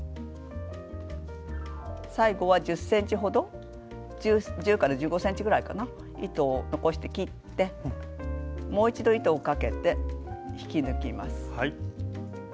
最後は１０ｃｍほど１０１５ｃｍぐらいかな糸を残して切ってもう一度糸をかけて引き抜きます。